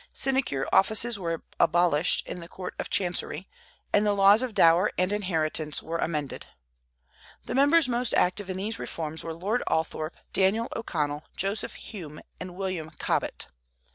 Sinecure offices were abolished in the Court of Chancery, and the laws of dower and inheritance were amended. The members most active in these reforms were Lord Althorp, Daniel O'Connell, Joseph Hume, and William Cobbett.